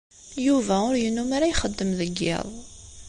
Yuba ur yennum ara ixeddem deg yiḍ.